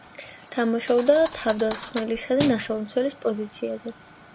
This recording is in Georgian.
თამაშობდა თავდამსხმელისა და ნახევარმცველის პოზიციაზე.